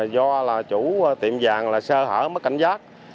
do chủ tiệm vàng sơ hở mất cảnh giác